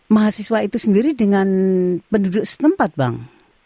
mahasiswa itu sendiri dengan penduduk setempat bang